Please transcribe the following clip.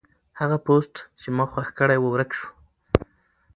هغه پوسټ چې ما خوښ کړی و ورک شو.